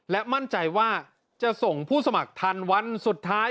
และมั่นใจว่าจะส่งผู้สมัครทันวันสุดท้าย